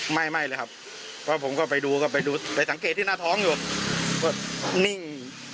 ไม่ไม่เลยครับเพราะผมก็ไปดูก็ไปดูไปสังเกตที่หน้าท้องอยู่ก็นิ่ง